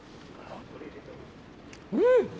うん！